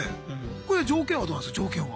これ条件はどうなんすか条件は。